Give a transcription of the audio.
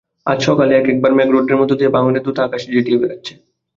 আজ সকালে এক-একবার মেঘরৌদ্রের মধ্যে দিয়ে ভাঙনের দূত আকাশ ঝেঁটিয়ে বেড়াচ্ছে।